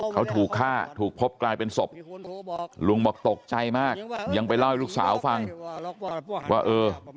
เขาถูกฆ่าถูกพบกลายเป็นศพลุงบอกตกใจมากยังไปเล่าให้ลูกสาวฟังว่าเออ